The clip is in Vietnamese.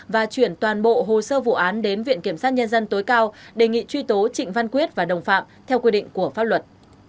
và chuyển toàn bộ hồ sơ vụ án đến viện kiểm sát nhân dân tối cao đề nghị truy tố trịnh văn quyết và đồng phạm theo quy định của pháp luật